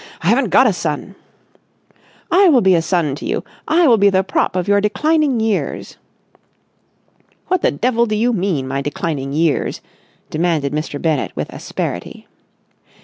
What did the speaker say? "I haven't got a son." "I will be a son to you! I will be the prop of your declining years...." "What the devil do you mean, my declining years?" demanded Mr. Bennett with asperity.